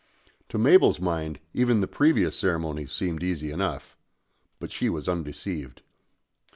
To Mabel's mind even the previous ceremonies seemed easy enough. But she was undeceived.